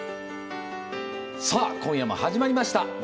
今夜も始まりました。